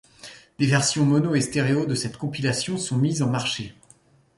Des versions mono et stéréo de cette compilation sont mises en marché.